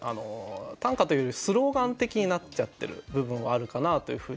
短歌というよりスローガン的になっちゃってる部分はあるかなというふうに思います。